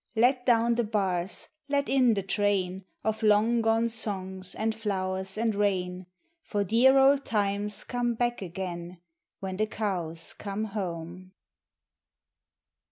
Let down the bars; let in the train Of long gone songs, and flowers, and rain ; For dear old times come back again When the cows come home.